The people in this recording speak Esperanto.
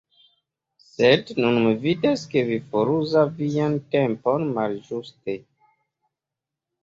Sed nun mi vidas ke vi foruzas vian tempon malĝuste.